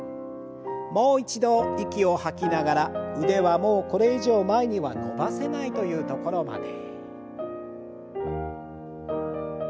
もう一度息を吐きながら腕はもうこれ以上前には伸ばせないという所まで。